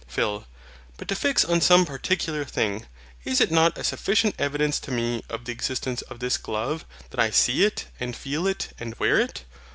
PHIL. But to fix on some particular thing. Is it not a sufficient evidence to me of the existence of this GLOVE, that I see it, and feel it, and wear it?